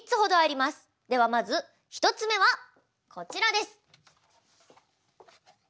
ではまず１つ目はこちらです。